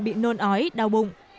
bị nôn ói đau bụng